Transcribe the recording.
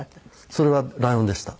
それはライオンでした。